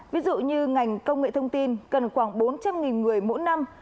ví dụ như ngành công nghệ thông tin cần khoảng bốn trăm linh người mỗi năm